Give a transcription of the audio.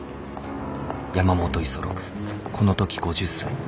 山本五十六この時５０歳。